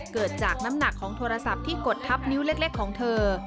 เกิดจากน้ำหนักของโทรศัพท์ที่กดทับนิ้วเล็กของเธอ